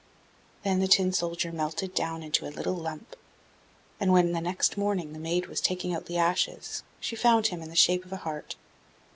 Then the Tin soldier melted down into a little lump, and when next morning the maid was taking out the ashes, she found him in the shape of a heart.